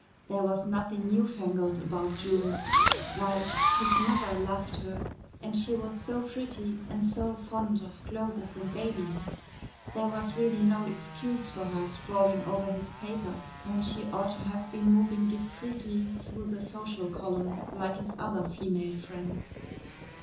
There was nothing new fangled about June. Why, his mother loved her and she was so pretty and so fond of clothes and babies. There was really no excuse for her sprawling over his paper when she ought to have been moving discreetly through the social column like his other female friends.